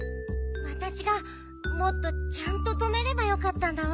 わたしがもっとちゃんととめればよかったんだわ。